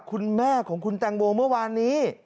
คุณแม่ของคุณแตงโมเมื่อวานนี้